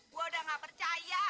gue udah gak percaya